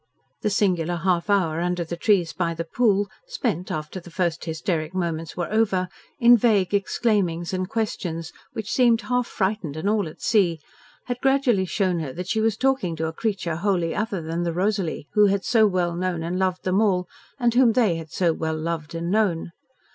The singular half hour under the trees by the pool, spent, after the first hysteric moments were over, in vague exclaimings and questions, which seemed half frightened and all at sea, had gradually shown her that she was talking to a creature wholly other than the Rosalie who had so well known and loved them all, and whom they had so well loved and known.